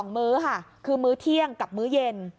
มื้อค่ะคือมื้อเที่ยงกับมื้อเย็น